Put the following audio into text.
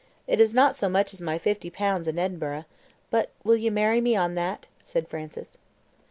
It is not so much as my 50 pounds in Edinburgh; but will you marry me on that?" said Francis.